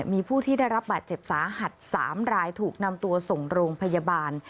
มีผู้ที่ได้รับบาดเจ็บสาหัส๓รายถูกนำตัวส่งโรงพยาบาล